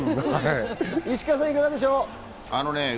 石川さん、いかがでしょう。